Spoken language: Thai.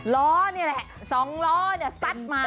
ล้อนี่แหละ๒ล้อเนี่ยซัดมา